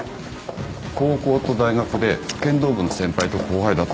高校と大学で剣道部の先輩と後輩だった。